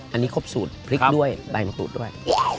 อันนี้ครบสูตรพริกด้วยใบมะกรูดด้วย